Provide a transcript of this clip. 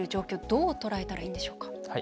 どう捉えたらいいんでしょうか？